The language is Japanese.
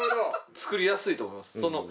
作りやすいと思います。